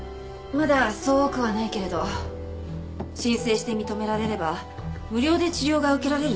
まだそう多くはないけれど申請して認められれば無料で治療が受けられる病院です。